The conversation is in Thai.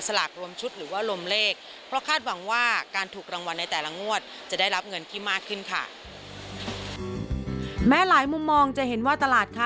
สลากรวมชุดหรือว่าลมเลข